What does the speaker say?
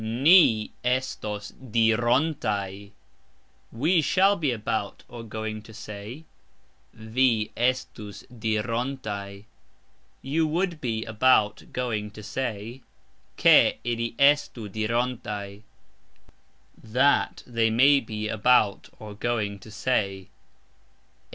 Ni estos dirontaj ........... We shall be about (going) to say. Vi estus dirontaj ........... You would be about (going) to say. (Ke) ili estu dirontaj ...... (That) they may be about (going) to say.